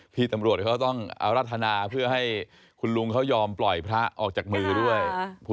พี่ตำรวจเขาต้องเอารัฐนาเพื่อให้คุณลุงเขายอมปล่อยพระออกจากมือด้วย